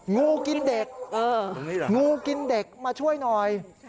งูกินเด็กงูกินเด็กมาช่วยหน่อยตรงนี้เหรอ